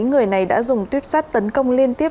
chín người này đã dùng tuyếp sắt tấn công liên tiếp